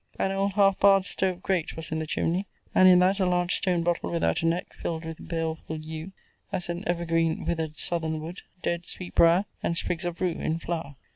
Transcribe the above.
An old half barred stove grate was in the chimney; and in that a large stone bottle without a neck, filled with baleful yew, as an evergreen, withered southern wood, dead sweet briar, and sprigs of rue in flower.